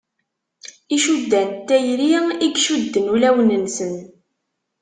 Icuddan n tayri i icudden ulawen-nsen.